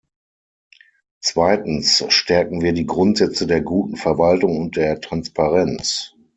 Zweitens stärken wir die Grundsätze der guten Verwaltung und der Transparenz.